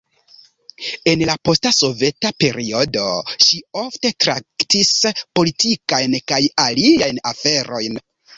En la posta soveta periodo ŝi ofte traktis politikajn kaj aliajn aferojn.